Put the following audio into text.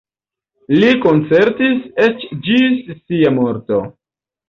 Li koncertis eĉ ĝis sia morto.